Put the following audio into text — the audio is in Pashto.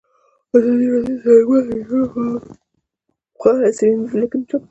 ازادي راډیو د تعلیمات د نجونو لپاره په اړه څېړنیزې لیکنې چاپ کړي.